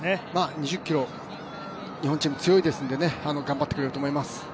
２０ｋｍ、日本人強いですので頑張ってくれると思います。